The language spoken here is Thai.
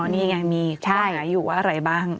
นี่ไงมีเป้าหมายอยู่ว่าอะไรบ้าง